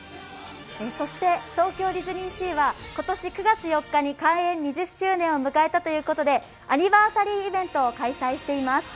そして東京ディズニーシーは今年９月４日に開園２０周年を迎えたということでアニバーサリーイベントを開催しています。